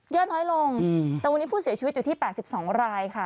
น้อยลงแต่วันนี้ผู้เสียชีวิตอยู่ที่๘๒รายค่ะ